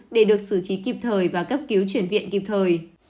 để được xử trí kịp thời và cấp cứu chuyển viện kịp thời